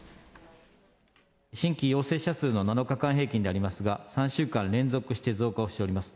新規陽性者数の７日間平均でありますが、３週間連続して増加をしております。